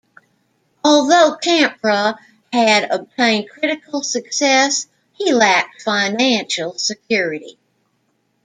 Although Campra had obtained critical success he lacked financial security.